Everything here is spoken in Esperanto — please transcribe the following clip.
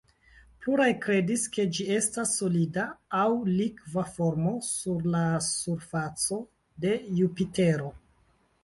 Pluraj kredis ke ĝi estas solida aŭ likva formo sur la surfaco de Jupitero.